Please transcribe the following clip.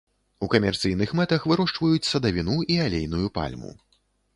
У камерцыйных мэтах вырошчваюць садавіну і алейную пальму.